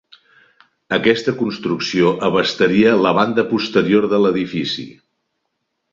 Aquesta construcció abastaria la banda posterior de l'edifici.